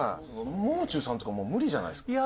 もう中さんとかもう無理じゃないですか。